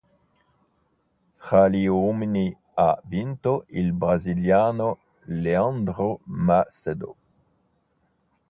Tra gli uomini ha vinto il brasiliano Leandro Macedo.